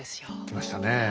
きましたねえ。